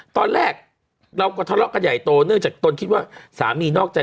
ตอนแรกเราก็ทะเลาะกันใหญ่โตเนื่องจากตนคิดว่าสามีนอกใจ